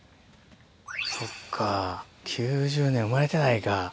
そっか９０年生まれてないか。